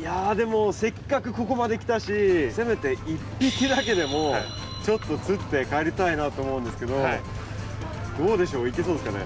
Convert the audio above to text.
いやでもせっかくここまで来たしせめて１匹だけでもちょっと釣って帰りたいなと思うんですけどどうでしょういけそうですかね？